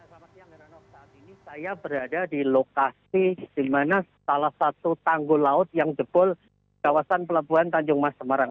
pada saat ini saya berada di lokasi di mana salah satu tanggul laut yang jebol kawasan pelabuhan tangjuma semarang